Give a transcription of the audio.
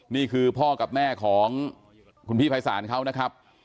นี่คือพ่อกับแม่ของคุณพี่ภัยศาลเขานะครับ